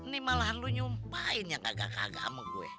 nih malahan lo nyumpain ya kagak kagak ama gue